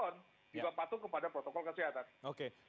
juga patuh kepada protokol kesehatan